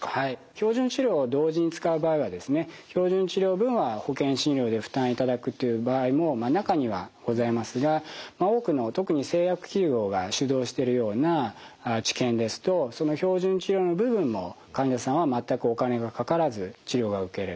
標準治療を同時に使う場合はですね標準治療分は保険診療で負担いただくっていう場合も中にはございますが多くの特に製薬企業が主導しているような治験ですと標準治療の部分も患者さんは全くお金がかからず治療が受けれる。